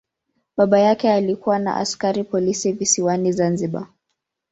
Baba yake alikuwa ni askari polisi visiwani Zanzibar.